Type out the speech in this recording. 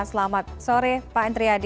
selamat sore pak entriadi